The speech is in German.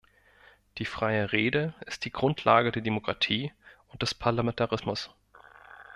Die freie Rede ist die Grundlage der Demokratie und des Parlamentarismus.